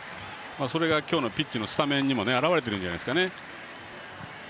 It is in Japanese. それが今日のピッチのスタメンにも表れているんじゃないですかね。